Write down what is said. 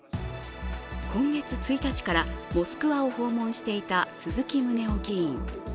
今月１日からモスクワを訪問していた鈴木宗男議員。